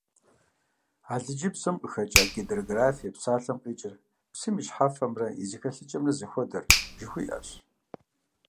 Алыджыбзэм къыхэкIа «гидрографие» псалъэм къикIыр «псым и щхьэфэмрэ и зэхэлъыкIэмрэ зыхуэдэр» жыхуиIэщ.